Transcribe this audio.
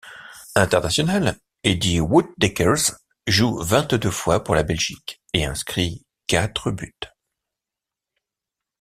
International, Eddy Voordeckers joue vingt-deux fois pour la Belgique et inscrit quatre buts.